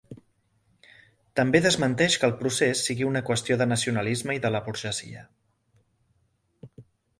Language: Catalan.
També desmenteix que el procés sigui una qüestió de nacionalisme i de la burgesia.